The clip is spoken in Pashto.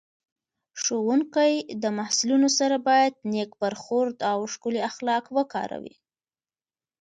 ښوونکی د محصلینو سره باید نېک برخورد او ښکلي اخلاق وکاروي